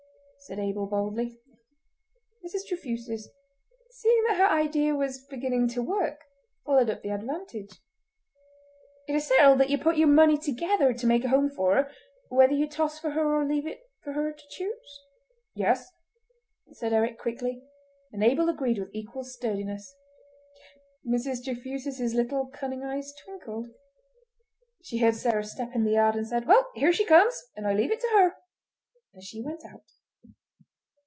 said Abel, boldly. Mrs. Trefusis, seeing that her idea was beginning to work, followed up the advantage. "It is settled that ye put yer money together to make a home for her, whether ye toss for her or leave it for her to choose?" "Yes," said Eric quickly, and Abel agreed with equal sturdiness. Mrs. Trefusis' little cunning eyes twinkled. She heard Sarah's step in the yard, and said: "Well! here she comes, and I leave it to her." And she went out.